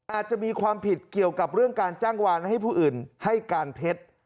อาจจะมีความผิดเกี่ยวกับเรื่องการจ้างวานให้ผู้อื่นให้การเท็จ